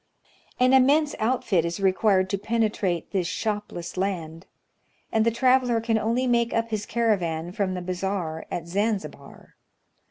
" An immense outfit is required to penetrate this shopless land, and the traveler can only make up his caravan from the bazaar Africa^ its Past and Future. 119 at Zanzibar.